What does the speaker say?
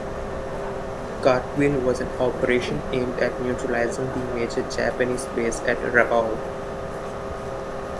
Cartwheel was an operation aimed at neutralizing the major Japanese base at Rabaul.